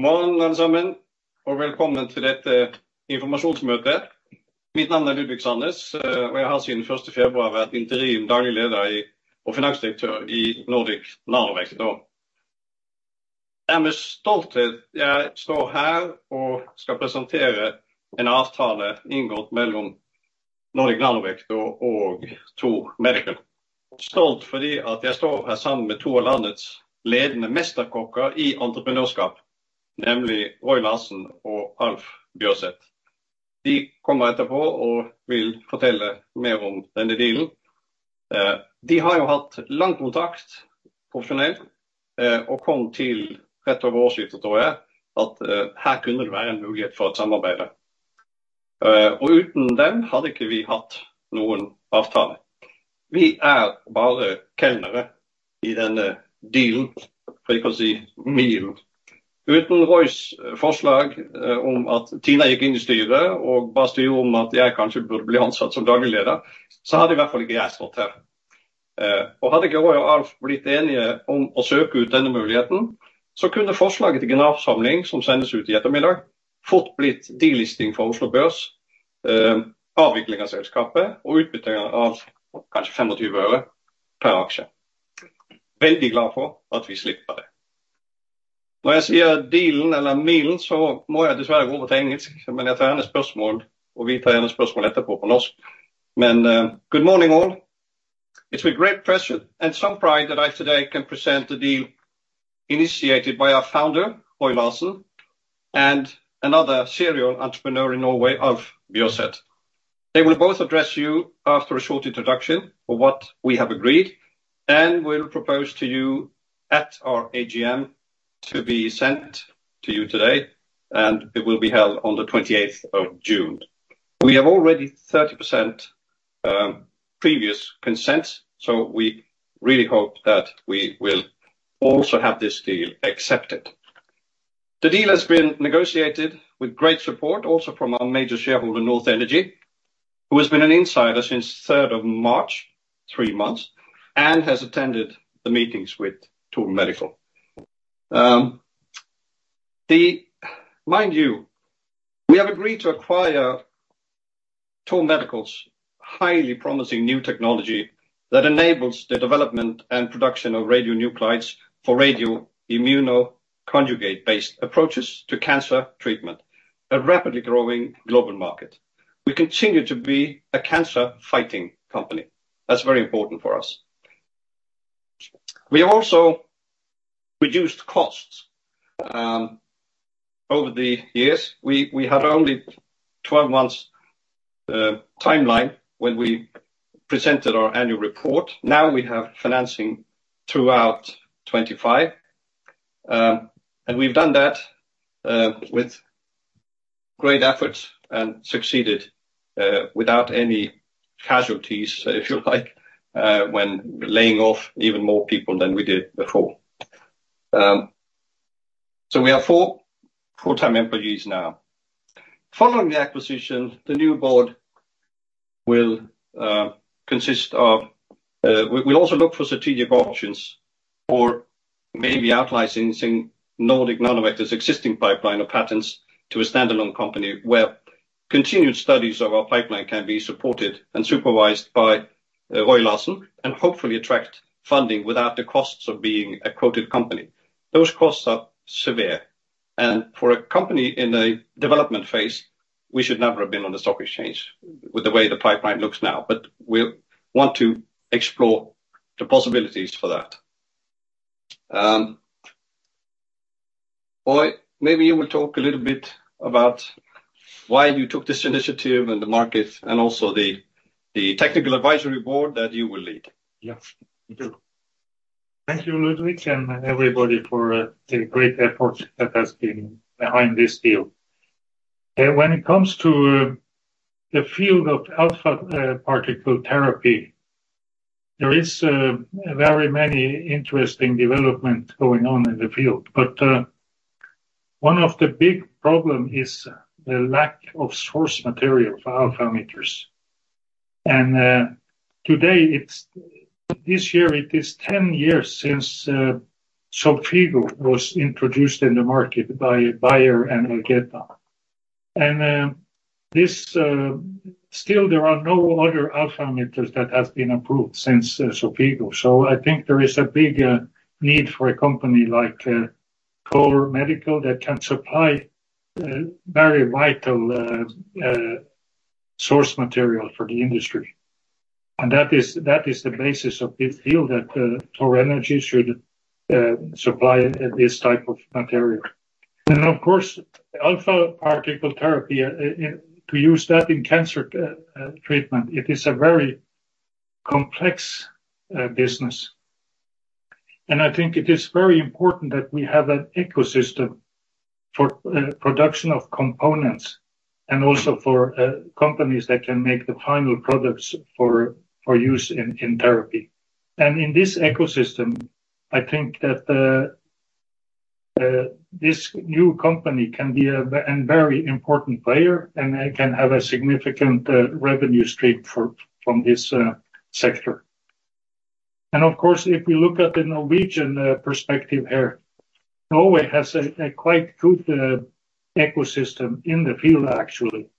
Good morning, all sammen, welcome to this informationsmøte. My name is Ludvik Sandnes, I have since first of February been interim daily leader i, and finance director in Nordic Nanovector. I am with stolted. I stand here and shall presentere an avtale inngått mellom Nordic Nanovector og Thor Medical. Stolt fordi at jeg står her sammen med to av landets ledende mesterkokker i entrepreneurskap, nemlig Roy Larsen og Alf Bjørseth. De kommer etterpå og vil fortelle mer om denne dealen. De har jo hatt lang kontakt, profesjonelt, kom til rett over årsskiftet tror jeg, at her kunne det være en mulighet for et samarbeid. Uten dem hadde ikke vi hatt noen avtale. Vi er bare kelnere i denne dealen, for ikke å si milen. Uten Roy's forslag om at Tina gikk inn i styret og ba styret om at jeg kanskje burde bli ansatt som daglig leder, så hadde i hvert fall ikke jeg stått her. Hadde ikke Roy og Alf blitt enige om å søke ut denne muligheten, så kunne forslaget til generalforsamling, som sendes ut i ettermiddag, fort blitt delisting fra Oslo Børs. Avvikling av selskapet og utbytte av kanskje NOK 0.25 per aksje. Veldig glad for at vi slipper det. Når jeg sier dealen eller milen, så må jeg dessverre gå over til engelsk. Jeg tar gjerne spørsmål, og vi tar gjerne spørsmål etterpå på norsk. Good morning all! It's with great pleasure and some pride that I today can present the deal initiated by our founder, Roy Larsen, and another serial entrepreneur in Norway, Alf Bjørseth. They will both address you after a short introduction of what we have agreed and will propose to you at our AGM to be sent to you today. It will be held on the 28th of June. We have already 30% previous consent. We really hope that we will also have this deal accepted. The deal has been negotiated with great support, also from our major shareholder, North Energy, who has been an insider since 3rd of March, 3 months, and has attended the meetings with Thor Medical. Mind you, we have agreed to acquire Thor Medical's highly promising new technology that enables the development and production of radionuclides for radioimmunoconjugate based approaches to cancer treatment, a rapidly growing global market. We continue to be a cancer fighting company. That's very important for us. We have also reduced costs over the years. We had only 12 months timeline when we presented our annual report. Now we have financing throughout 2025, and we've done that with great efforts and succeeded without any casualties, if you like, when laying off even more people than we did before. We have four full-time employees now. Following the acquisition, the new board will consist of. We will also look for strategic options for maybe out licensing Nordic Nanovector's existing pipeline of patents to a standalone company, where continued studies of our pipeline can be supported and supervised by Roy Larsen and hopefully attract funding without the costs of being a quoted company. Those costs are severe. For a company in a development phase, we should never have been on the stock exchange with the way the pipeline looks now. We want to explore the possibilities for that. Roy, maybe you will talk a little bit about why you took this initiative and the market and also the Technical Advisory Board that you will lead. Thank you, Ludvik, and everybody for the great effort that has been behind this deal. When it comes to the field of alpha particle therapy, there is very many interesting development going on in the field. One of the big problem is the lack of source material for alpha emitters. Today, it's this year, it is 10 years since Xofigo was introduced in the market by Bayer and Algeta. This still there are no other alpha emitters that have been approved since Xofigo. I think there is a big need for a company like Thor Medical, that can supply very vital source material for the industry. That is the basis of this deal, that Thor Energy should supply this type of material. Of course, alpha particle therapy, to use that in cancer treatment, it is a very complex business. I think it is very important that we have an ecosystem for production of components and also for companies that can make the final products for use in therapy. In this ecosystem, I think that the this new company can be a very important player and can have a significant revenue stream from this sector. Of course, if you look at the Norwegian perspective here, Norway has a quite good ecosystem in the field, actually.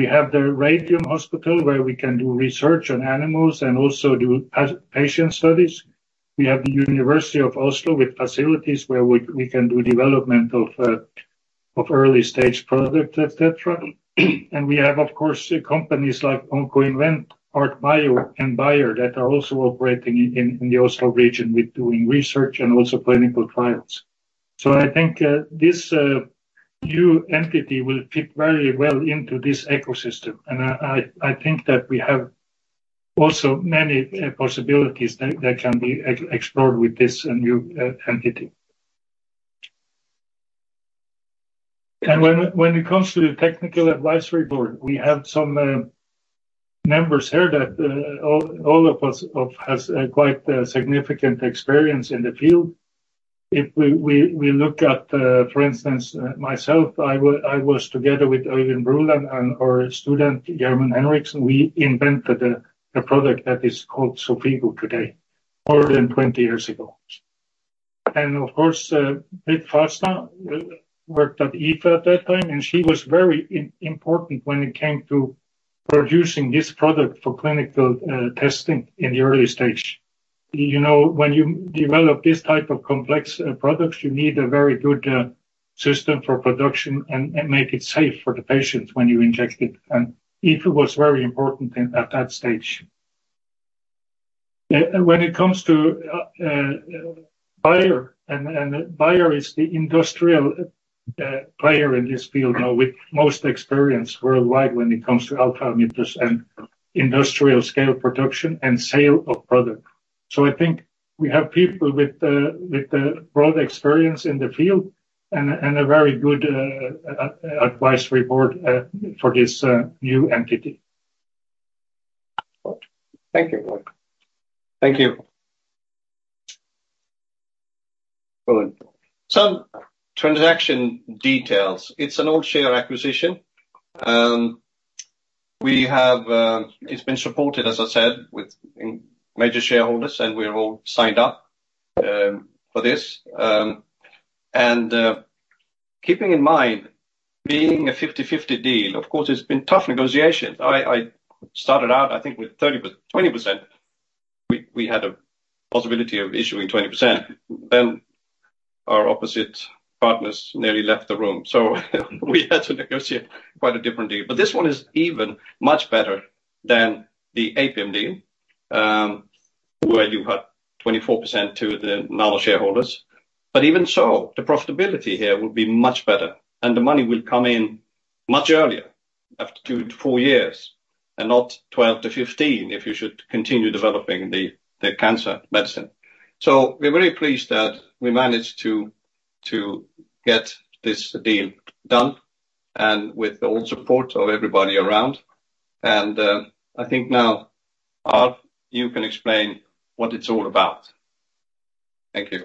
We have the Radium Hospital, where we can do research on animals and also do patient studies. We have the University of Oslo, with facilities where we can do development of early-stage product, et cetera. We have, of course, companies like Oncoinvent, ARTBIO, and Bayer, that are also operating in the Oslo region with doing research and also clinical trials. I think this new entity will fit very well into this ecosystem, and I think that we have also many possibilities that can be explored with this new entity. When it comes to the Technical Advisory Board, we have some members here that all of us has a quite significant experience in the field. If we look at, for instance, myself, I was together with Øyvind Bruland and our student, Gjermund Henriksen, we invented a product that is called Xofigo today, more than 20 years ago. Of course, Brit Farstad worked at IFE at that time, and she was very important when it came to producing this product for clinical testing in the early stage. You know, when you develop this type of complex products, you need a very good system for production and make it safe for the patients when you inject it. IFE was very important in at that stage. When it comes to Bayer, and Bayer is the industrial player in this field now, with most experience worldwide when it comes to alpha emitters and industrial scale production and sale of product. I think we have people with a broad experience in the field and a very good advice report for this new entity. Thank you. Thank you. Good. Some transaction details. It's an all-share acquisition. It's been supported, as I said, with major shareholders, and we're all signed up for this. Keeping in mind, being a 50/50 deal, of course, it's been tough negotiations. I started out, I think, with 30%, 20%. We had a possibility of issuing 20%, our opposite partners nearly left the room. We had to negotiate quite a different deal. This one is even much better than the APIM deal, where you had 24% to the normal shareholders. Even so, the profitability here will be much better, and the money will come in much earlier, after 2-4 years, and not 12-15, if you should continue developing the cancer medicine. We're very pleased that we managed to get this deal done, and with the whole support of everybody around. I think now, Alf, you can explain what it's all about. Thank you.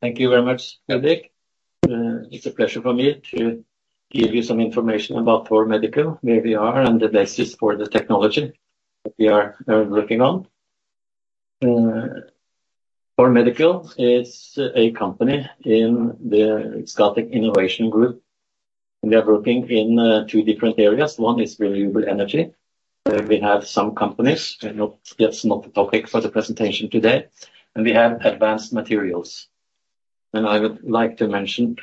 Thank you very much, Ludvik. It's a pleasure for me to give you some information about Thor Medical, where we are, and the basis for the technology that we are working on. Thor Medical is a company in the Scatec Innovation Group. We are working in two different areas. One is renewable energy, where we have some companies, that's not the topic for the presentation today. We have advanced materials. I would like to mention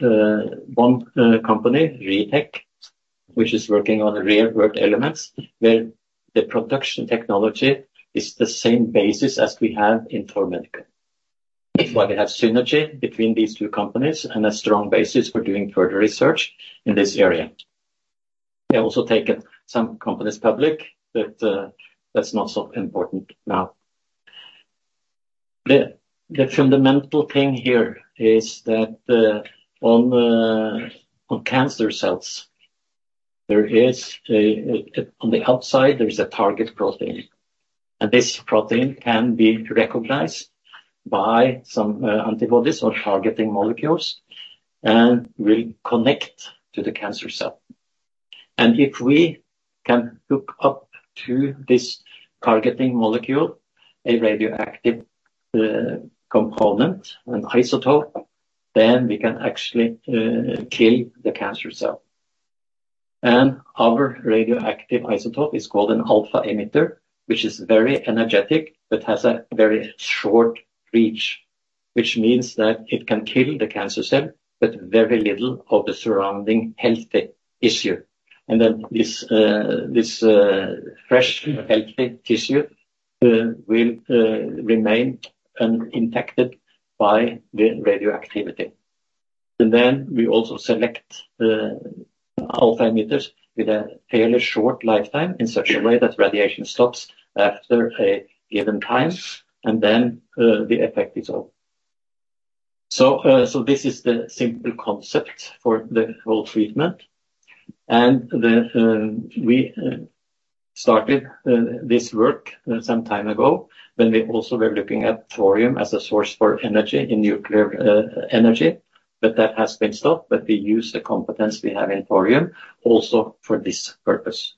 one company, REEtec, which is working on rare earth elements, where the production technology is the same basis as we have in Thor Medical. While we have synergy between these two companies, and a strong basis for doing further research in this area. We have also taken some companies public. That's not so important now. The fundamental thing here is that on cancer cells, there is a on the outside, there is a target protein, and this protein can be recognized by some antibodies or targeting molecules, and will connect to the cancer cell. If we can hook up to this targeting molecule, a radioactive component, an isotope, then we can actually kill the cancer cell. Our radioactive isotope is called an alpha emitter, which is very energetic but has a very short reach, which means that it can kill the cancer cell, but very little of the surrounding healthy issue. Then this fresh, healthy tissue will remain uninfected by the radioactivity. We also select alpha emitters with a fairly short lifetime, in such a way that radiation stops after a given time, and then the effect is over. This is the simple concept for the whole treatment, and then we started this work some time ago, when we also were looking at thorium as a source for energy in nuclear energy, but that has been stopped, but we use the competence we have in thorium also for this purpose.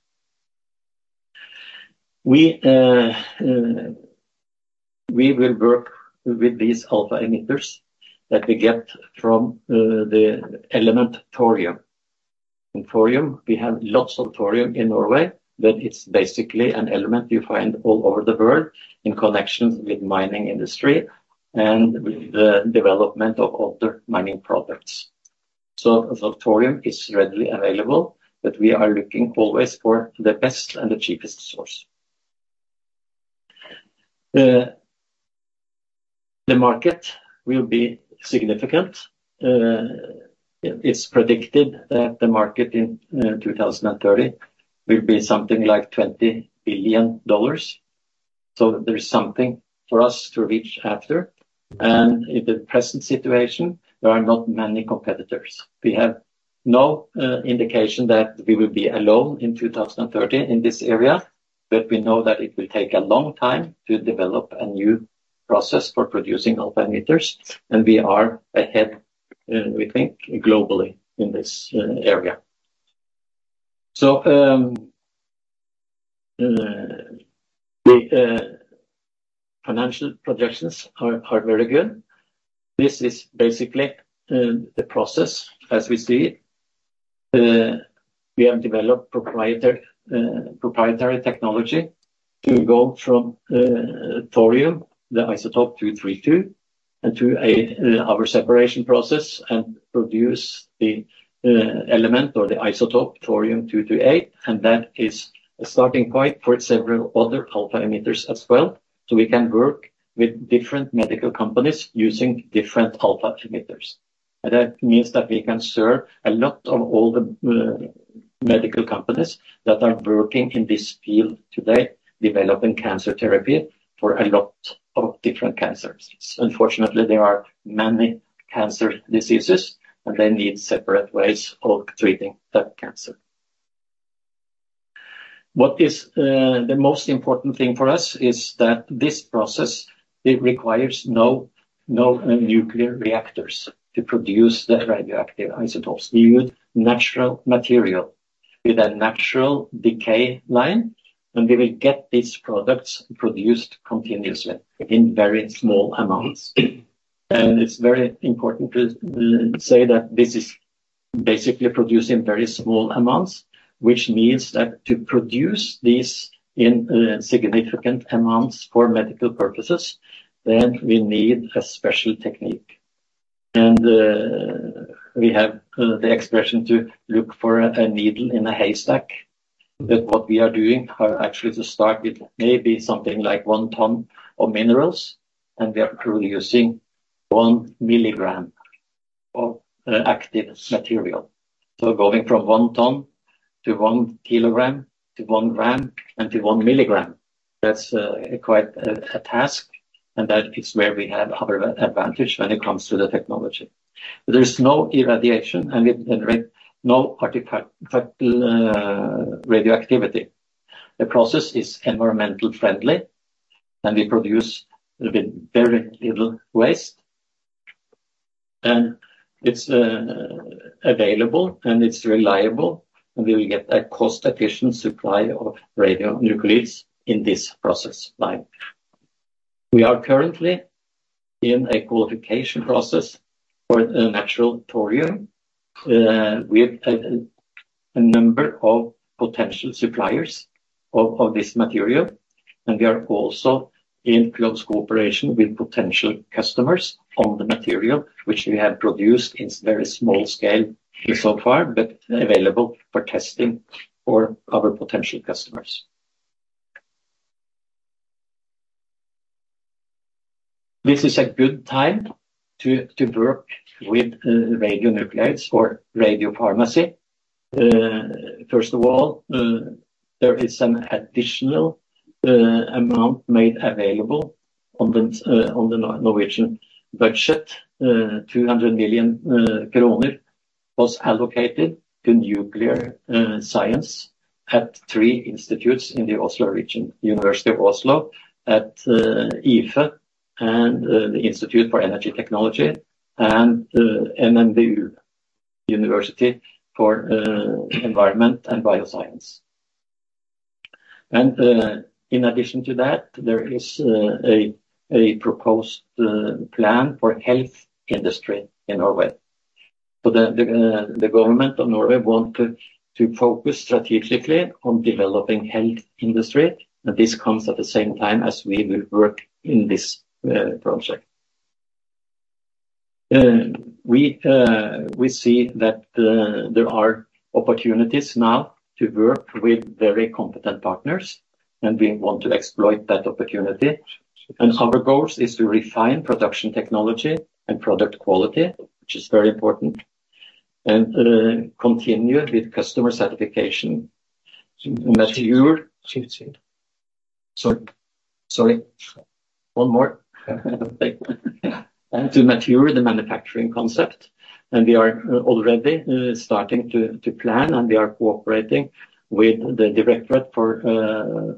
We will work with these alpha emitters that we get from the element thorium. Thorium, we have lots of thorium in Norway, but it's basically an element you find all over the world in connections with mining industry and with the development of other mining products. Thorium is readily available, but we are looking always for the best and the cheapest source. The market will be significant. It's predicted that the market in 2030 will be something like $20 billion. There is something for us to reach after, and in the present situation, there are not many competitors. We have no indication that we will be alone in 2030 in this area, but we know that it will take a long time to develop a new process for producing alpha emitters, and we are ahead, we think, globally in this area. The financial projections are very good. This is basically the process as we see it. We have developed proprietary technology to go from thorium, the isotope 232, and to our separation process and produce the element or the isotope thorium-228. That is a starting point for several other alpha emitters as well. We can work with different medical companies using different alpha emitters. That means that we can serve a lot of all the medical companies that are working in this field today, developing cancer therapy for a lot of different cancers. Unfortunately, there are many cancer diseases. They need separate ways of treating that cancer. What is the most important thing for us is that this process, it requires no nuclear reactors to produce the radioactive isotopes. We use natural material with a natural decay line. We will get these products produced continuously in very small amounts. It's very important to say that this is basically produced in very small amounts, which means that to produce these in significant amounts for medical purposes, then we need a special technique. We have the expression to look for a needle in a haystack, but what we are doing are actually to start with maybe something like 1 ton of minerals, and we are producing 1 mg of active material. Going from 1 ton to 1 kg, to 1 g, and to 1 mg, that's quite a task, and that is where we have other advantage when it comes to the technology. There is no irradiation and with no artifact radioactivity. The process is environmentally friendly, and we produce with very little waste, and it's available, and it's reliable, and we will get a cost-efficient supply of radionuclides in this process line. We are currently in a qualification process for a natural thorium with a number of potential suppliers of this material, and we are also in close cooperation with potential customers on the material, which we have produced in very small scale so far, but available for testing for other potential customers. This is a good time to work with radionuclides for radiopharmacy. First of all, there is an additional amount made available on the Norwegian budget. 200 million kroner was allocated to nuclear science at three institutes in the Oslo region, University of Oslo, at IFE, and the Institute for Energy Technology, and NMBU University for Environment and Bioscience. In addition to that, there is a proposed plan for health industry in Norway. The government of Norway want to focus strategically on developing health industry, and this comes at the same time as we will work in this project. We see that there are opportunities now to work with very competent partners, and we want to exploit that opportunity. Our goals is to refine production technology and product quality, which is very important, and continue with customer certification material. Sorry, one more. To mature the manufacturing concept, we are already starting to plan, and we are cooperating with the Directorate for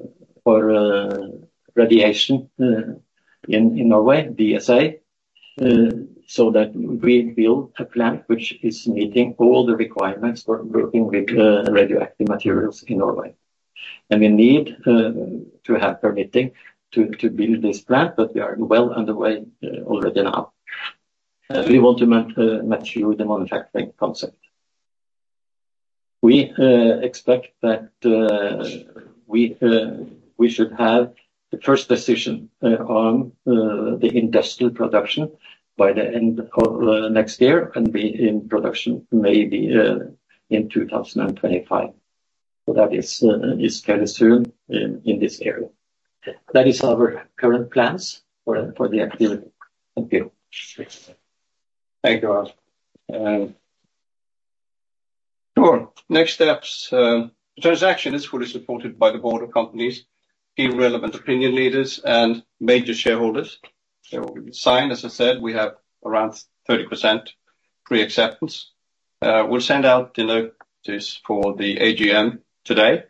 Radiation in Norway, DSA. We build a plant which is meeting all the requirements for working with radioactive materials in Norway. We need to have permitting to build this plant, but we are well underway already now. We want to mature the manufacturing concept. We expect that we should have the first decision on the industrial production by the end of next year and be in production maybe in 2025. That is kind of soon in this area. That is our current plans for the activity. Thank you. Thank you, Alf. Sure. Next steps, the transaction is fully supported by the board of companies, key relevant opinion leaders and major shareholders. We signed, as I said, we have around 30% pre-acceptance. We'll send out the notices for the AGM today,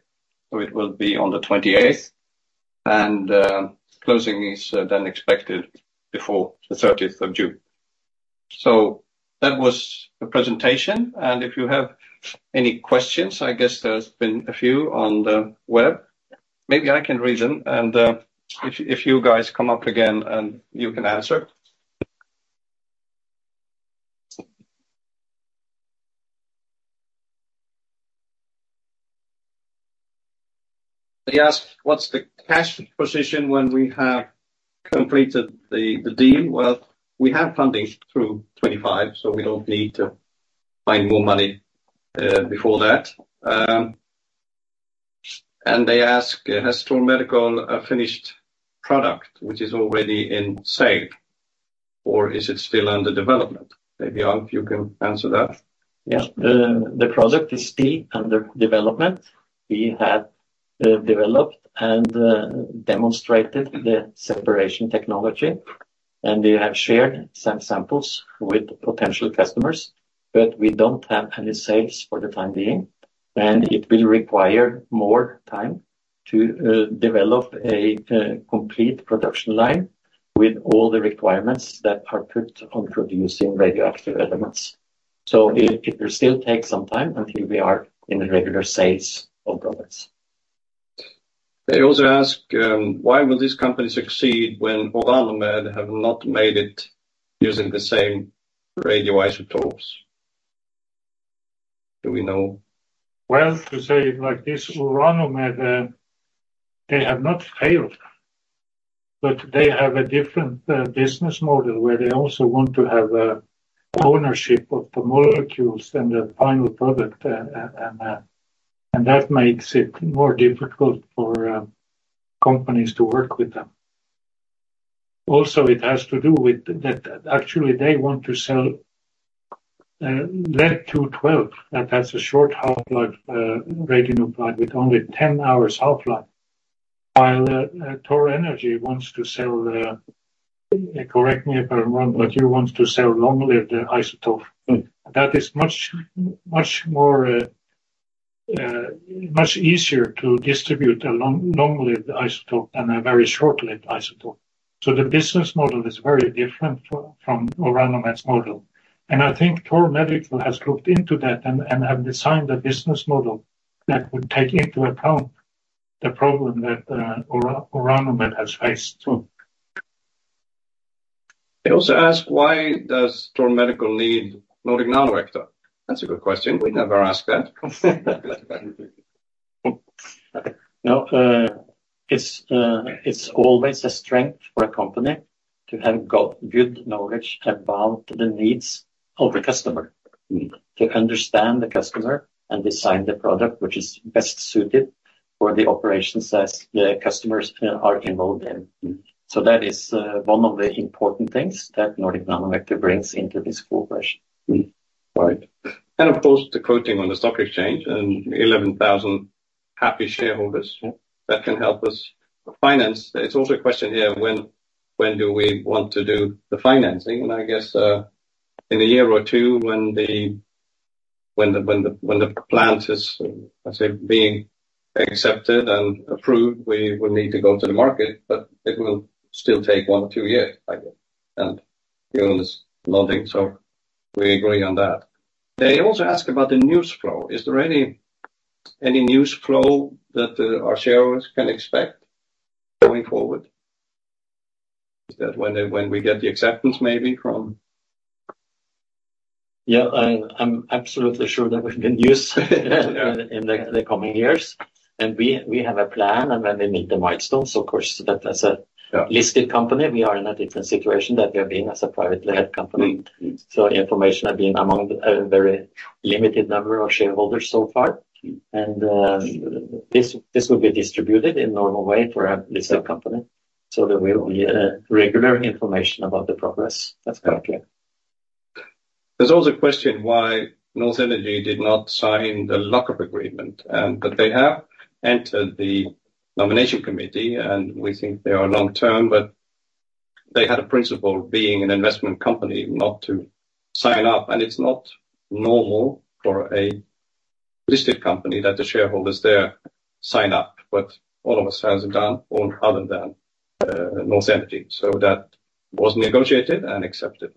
it will be on the 28th, closing is then expected before the 30th of June. That was the presentation, if you have any questions, I guess there's been a few on the web. Maybe I can read them, if you guys come up again, you can answer. They ask, what's the cash position when we have completed the deal? Well, we have funding through 2025, we don't need to find more money before that. They ask, has Thor Medical a finished product which is already in sale, or is it still under development? Maybe, Alf, you can answer that. Yeah. The product is still under development. We have developed and demonstrated the separation technology, and we have shared some samples with potential customers, but we don't have any sales for the time being, and it will require more time to develop a complete production line with all the requirements that are put on producing radioactive elements. It will still take some time until we are in the regular sales of products. They also ask, why will this company succeed when Orano Med have not made it using the same radioisotopes? Do we know? Well, to say it like this, Orano Med, they have not failed, but they have a different business model, where they also want to have a ownership of the molecules and the final product, and that makes it more difficult for companies to work with them. Also, it has to do with that actually, they want to sell Lead-212, and that's a short half-life radionuclide with only 10 hours half-life. While Thor Energy wants to sell, correct me if I'm wrong, but you want to sell long-lived isotope. Mm. That is much more, much easier to distribute a long-lived isotope than a very short-lived isotope. The business model is very different from Orano Med's model. I think Thor Medical has looked into that and have designed a business model that would take into account the problem that Orano Med has faced. They also ask: Why does Thor Medical need Nordic Nanovector? That's a good question. We never asked that. Okay. Now, it's always a strength for a company to have got good knowledge about the needs of the customer. To understand the customer and design the product which is best suited for the operations as the customers are involved in. That is, one of the important things that Nordic Nanovector brings into this equation. Mm-hmm. Right. Of course, the quoting on the stock exchange and 11,000 happy shareholders. that can help us finance. It's also a question here, when do we want to do the financing? I guess in a year or two, when the plant is, let's say, being accepted and approved, we will need to go to the market, but it will still take one or two years, I think, and John is nodding, so we agree on that. They also ask about the news flow. Is there any news flow that our shareholders can expect going forward? Is that when we get the acceptance, maybe from. Yeah, I'm absolutely sure that we've been used in the coming years, and we have a plan, and when we meet the milestones, of course. Yeah. Listed company, we are in a different situation than we are being as a privately held company. Information have been among a very limited number of shareholders so far, and this will be distributed in normal way for a listed company. There will be regular information about the progress that's going on. There's also a question why North Energy did not sign the lock-up agreement, but they have entered the nomination committee, and we think they are long-term, but they had a principle, being an investment company, not to sign up, and it's not normal for a listed company that the shareholders there sign up. All of us has it done, all other than North Energy, so that was negotiated and accepted.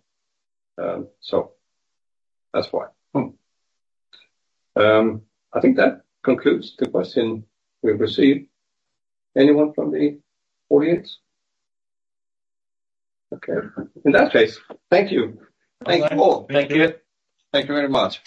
That's why. I think that concludes the question we've received. Anyone from the audience? Okay. In that case, thank you. Thank you all. Thank you. Thank you very much.